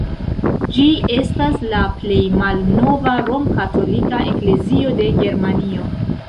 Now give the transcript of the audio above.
Ĝi estas la plej malnova rom-katolika eklezio de Germanio.